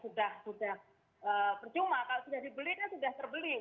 sudah percuma kalau sudah dibeli kan sudah terbeli